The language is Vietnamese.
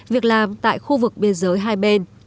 việc làm tại khu vực biên giới hai bên